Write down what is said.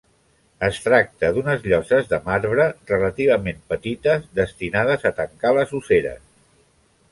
Es tracta d'unes lloses de marbre relativament petites, destinades a tancar les osseres.